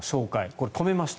これ、止めました。